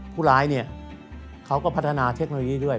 ผู้ร้ายเนี่ยเขาก็พัฒนาเทคโนโลยีด้วย